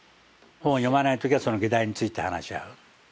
本を読まない時はその議題について話し合う。